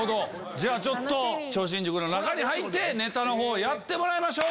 じゃあ超新塾の中に入ってネタやってもらいましょう。